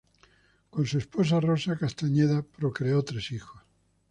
Con su esposa, Rosa Castañeda, procreó tres hijos.